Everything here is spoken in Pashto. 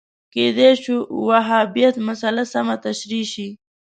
کېدای شو وهابیت مسأله سمه تشریح شي